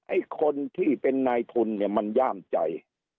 ไอ้คนที่เป็นนายทุนเนี่ยมันย่ามใจ